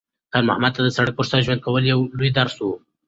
خیر محمد ته د سړک پر سر ژوند کول یو لوی درس و.